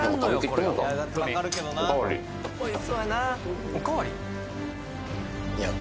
これがわかるけどなおいしそうやなおかわり？